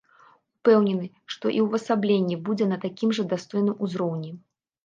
Упэўнены, што і ўвасабленне будзе на такім жа дастойным узроўні.